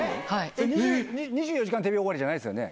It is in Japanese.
２４時間テレビ終わりじゃないですよね。